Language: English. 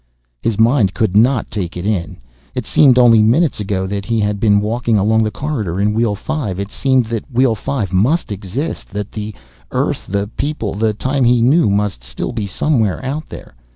His mind could not take it in. It seemed only minutes ago that he had been walking along the corridor in Wheel Five. It seemed that Wheel Five must exist, that the Earth, the people, the time he knew, must still be somewhere out there.